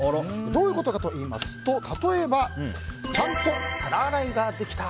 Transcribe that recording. どういうことかと言いますと例えばちゃんと皿洗いができた！